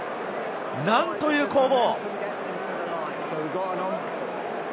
何という攻防。